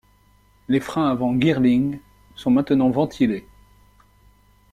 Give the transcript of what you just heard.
Les freins avant Girling sont maintenant ventilés.